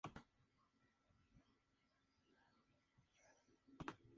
Fue la escuela a la cual asistió Eva Duarte.